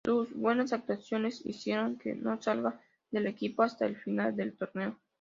Sus buenas actuaciones hicieron que no salga del equipo hasta el final del torneo.